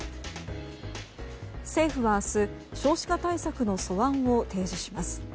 政府は明日少子化対策の素案を提示します。